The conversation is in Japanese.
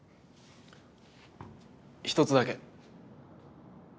一つだけ。